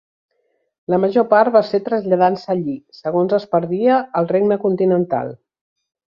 La major part va ser traslladant-se allí segons es perdia el regne continental.